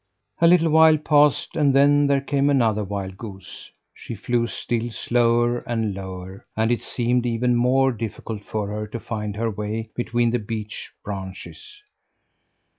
A little while passed and then there came another wild goose. She flew still slower and lower; and it seemed even more difficult for her to find her way between the beech branches.